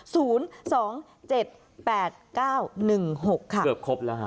เกือบครบแล้วค่ะ